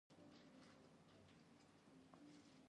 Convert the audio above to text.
د درباریانو په واسطه به ځینې باغیان بخښل کېدل.